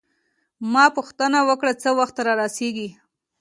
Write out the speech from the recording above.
ما پوښتنه وکړه: څه وخت رارسیږي؟